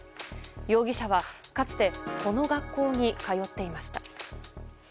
容疑者はかつてこの学校に通っていました。